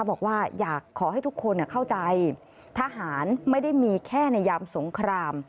บอกว่าอยากขอให้ทุกคนเข้าใจทหารไม่ได้มีแค่ในยามสงคราม